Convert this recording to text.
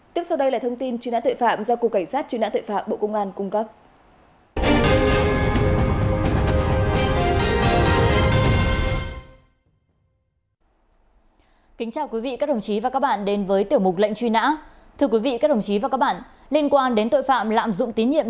tiếp sau đây là thông tin chuyên án tuệ phạm